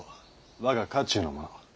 我が家中の者。